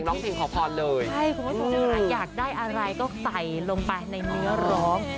คุณผู้ชมละอยากได้อะไรก็ใส่ลงไปในเนื้อโรง